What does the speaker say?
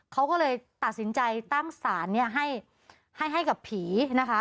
เขาก็เลยตัดสินใจตั้งศาลเนี้ยให้ให้ให้กับผีนะคะ